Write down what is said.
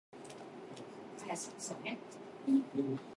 非自由软件泛滥成灾